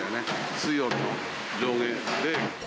水温の上下で。